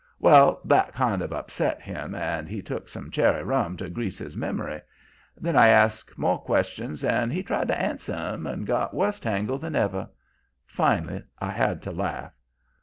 "Well, that kind of upset him, and he took some cherry rum to grease his memory. Then I asked more questions and he tried to answer 'em, and got worse tangled than ever. Finally I had to laugh.